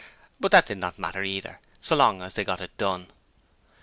But that did not matter either, so long as they got it done.